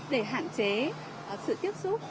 để hạn chế sự tiếp xúc